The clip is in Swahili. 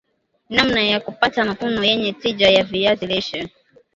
namna ya kupata mavuno yenye tija ya viazi lishe